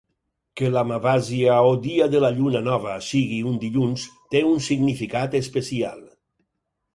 Que l'Amavasya o dia de la lluna nova sigui un dilluns té un significat especial.